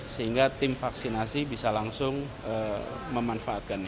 sehingga tim vaksinasi bisa langsung memanfaatkannya